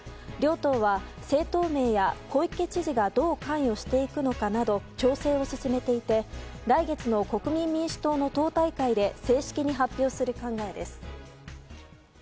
両党は、政党名や小池知事がどう関与していくのかなど調整を進めていて来月の国民民主党の党大会で正式に発表する考えです。